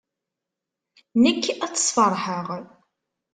Nekk ad tt-sfeṛḥeɣ.